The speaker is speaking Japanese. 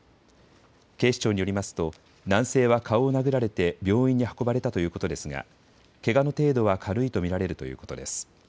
警視庁によりますと男性は顔を殴られて病院に運ばれたということですが、けがの程度は軽いと見られるということです。